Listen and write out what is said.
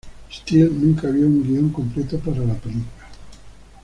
Steele nunca vio un guion completo para la película.